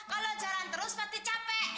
kalau jalan terus pasti capek